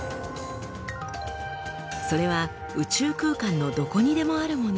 それは宇宙空間のどこにでもあるもの。